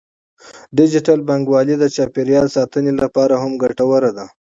ډیجیټل بانکوالي د چاپیریال ساتنې لپاره هم ګټوره ده.